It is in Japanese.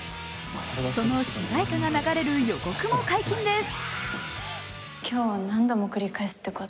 その主題歌が流れる予告も解禁です。